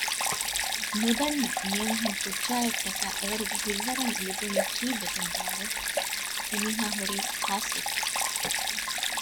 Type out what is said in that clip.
ނުދަންނަ މިއަންހެން ކުއްޖާއަށްޓަކައި އެވަރުގެ ހިތްވަރެއް އެލިބުނީ ކީއްވެގެންބާއެވެ؟ އެމީހާ ހުރީ ހާސްވެފަ